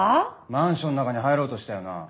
マンションの中に入ろうとしたよな？